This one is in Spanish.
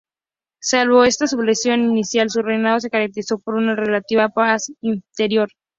Salvo esta sublevación inicial, su reinado se caracterizó por una relativa paz interior.